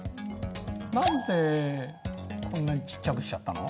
何でこんなにちっちゃくしちゃったの？